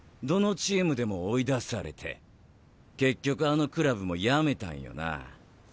どのチームでも追い出されて結局あのクラブもやめたんよな。